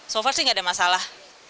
so far sih gak ada masalah